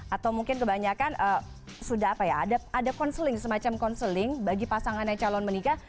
atau mungkin kebanyakan sudah apa ya ada counseling semacam counseling bagi pasangannya calon menikah